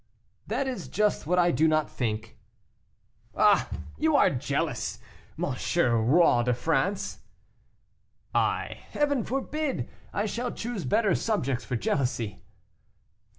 "That is just what I do not think." "Ah! you are jealous, M. Roi de France." "I! Heaven forbid. I shall choose better subjects for jealousy."